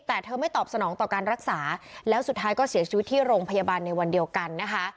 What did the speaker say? แต่เธอไม่ตอบสนองต่อการรักษาแล้วสุดท้ายก็เสียชีวิตที่โรงพยาบาลในวันเดียวกันนะคะ